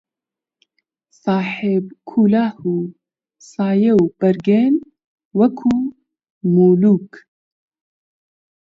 ساحێب کولاهـ و سایە و بەرگن وەکوو مولووک